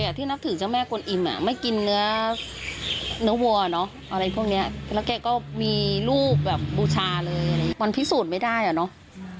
ที่นับถือเจ้าแม่กวนอิ่มอ่ะไม่กินเนื้อวัวเนอะอะไรพวกนี้แล้วแกก็มีรูปแบบบูชาเลยมันพิสูจน์ไม่ได้อ่ะเนอะ